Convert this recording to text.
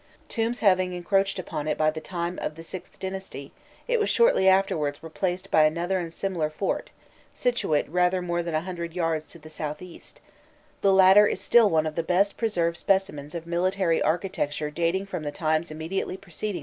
Tombs having encroached upon it by the time of the VIth dynasty, it was shortly afterwards replaced by another and similar fort, situate rather more than a hundred yards to the south east; the latter is still one of the best preserved specimens of military architecture dating from the times immediately preceding the first Theban empire.